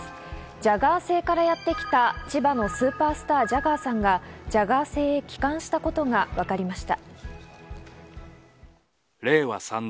ジャガー星からやってきた千葉のスーパースター、ジャガーさんがジャガー星へ帰還したことがわかりました。